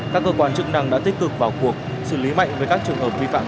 các cơ quan chức năng đã tích cực vào cuộc xử lý mạnh với các trường hợp vi phạm